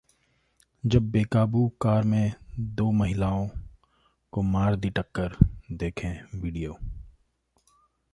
जब बेकाबू कार ने दो महिलाओं को मार दी टक्कर, देखें Video...